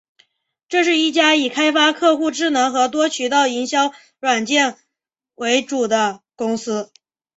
这是一家以开发客户智能和多渠道营销软件为主的公司。